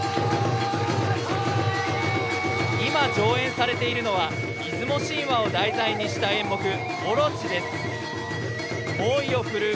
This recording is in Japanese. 今、上演されているのは出雲神話を題材にした演目「大蛇」です。